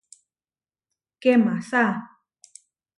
¡Kemasá!